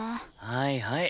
はいはい。